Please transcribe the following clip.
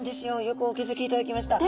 よくお気付きいただきました。